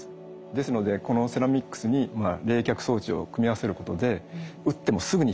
ですのでこのセラミックスに冷却装置を組み合わせることで撃ってもすぐに冷える。